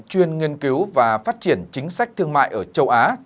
chuyên nghiên cứu và phát triển chính sách thương mại ở châu á